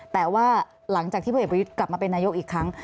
แต่ว่าหลังจากที่พลเอกประยุทธ์กลับมาเป็นนายกอีกครั้ง